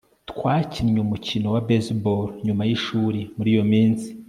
Twakinnye umukino wa baseball nyuma yishuri muri iyo minsi